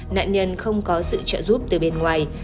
nạn nhân không có sự trợ giúp từ bên ngoài